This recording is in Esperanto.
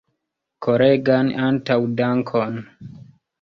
Koregan antaŭdankon!